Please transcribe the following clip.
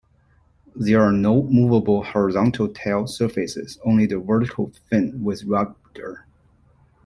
There are no moveable horizontal tail surfaces, only the vertical fin with rudder.